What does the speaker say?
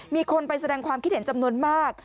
มีคนไปแสดงความคิดเห็นจำนวนมาก